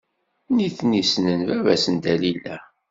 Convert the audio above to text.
Nitni ssnen baba-s n Dalila.